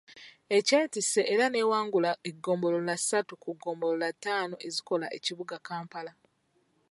Ekyetisse era n’ewangula eggombolola ssatu ku ggombolola ttaano ezikola ekibuga Kampala.